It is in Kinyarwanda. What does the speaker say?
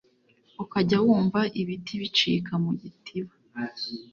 Ukajya wumva ibiti bicika mu Gitiba,